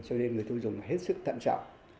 cho nên người tiêu dùng hết sức thận trọng